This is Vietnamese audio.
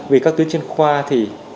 vì các tuyến chuyên khoa thì